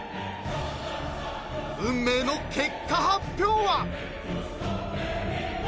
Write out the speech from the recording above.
［運命の結果発表は！？］